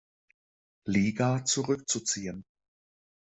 Liga zurückzuziehen.